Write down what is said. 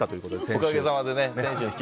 おかげさまでね。